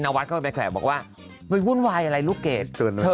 นวัฒน์ก็เลยไปแขว่บอกว่าวุ่นวายอะไรลูกเกด